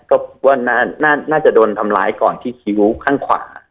ก็ว่าน่าจะโดนทำร้ายก่อนที่คิ้วข้างขวา